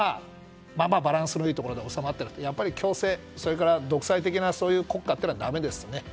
バランスのいいところで収まっていて、やっぱり強制やそれから独裁的な国家というのはだめですね。